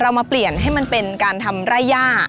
มาเปลี่ยนให้มันเป็นการทำไร่ย่า